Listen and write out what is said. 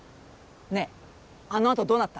ねえあのあとどうなった？